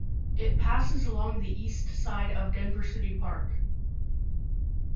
It passes along the east side of Denver City Park.